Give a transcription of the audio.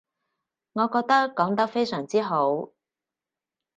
我覺得講得非常之好